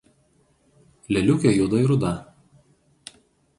Lėliukė juodai ruda.